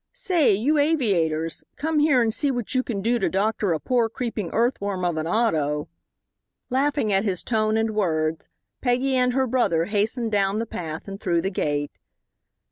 "Say, you aviators, come here and see what you can do to doctor a poor creeping earthworm of an auto." Laughing at his tone and words, Peggy and her brother hastened down the path and through the gate.